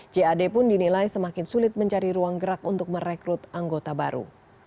jad pun dinilai semakin sulit mencari ruang gerak untuk merekrut anggota baru